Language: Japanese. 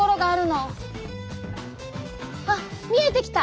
あっ見えてきた！